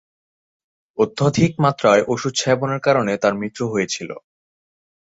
অত্যধিক মাত্রায় ঔষধ সেবনের কারণে তার মৃত্যু হয়েছিল।